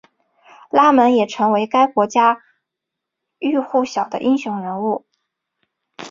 拉蒙也成为该国家喻户晓的英雄人物。